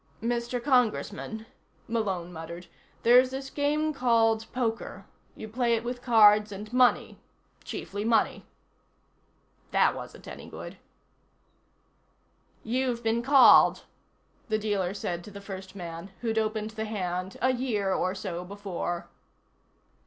"Mr. Congressman," Malone muttered. "There's this game called poker. You play it with cards and money. Chiefly money." That wasn't any good. "You've been called," the dealer said to the first man, who'd opened the hand a year or so before.